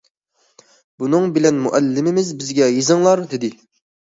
بۇنىڭ بىلەن مۇئەللىمىمىز بىزگە:- يېزىڭلار!- دېدى.